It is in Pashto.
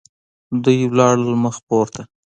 دوی ولاړل مخ پورته.